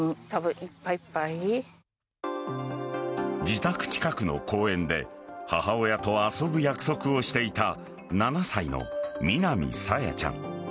自宅近くの公園で母親と遊ぶ約束をしていた７歳の南朝芽ちゃん。